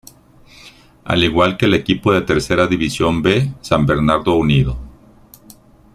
Al igual que el equipo de Tercera División B, San Bernardo Unido.